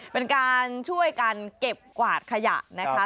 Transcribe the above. เป็นการช่วยกันเก็บกวาดขยะนะคะ